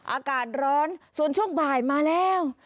อากาศร้อนส่วนช่วงบ่ายมาแล้ว